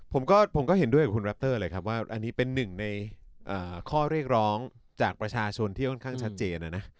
ผมก็เห็นด้วยกับคุณแรปเตอร์เลยครับว่าอันนี้เป็นหนึ่งในข้อเรียกร้องจากประชาชนที่ค่อนข้างชัดเจนนะนะ